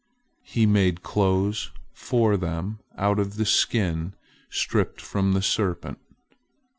He made clothes for them out of the skin stripped from the serpent.